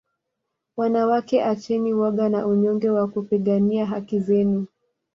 wanawake acheni woga na unyonge wa kupigania haki zenu